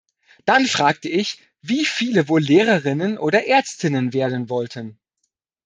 Dann fragte ich, wie viele wohl Lehrerinnen oder Ärztinnen werden wollten.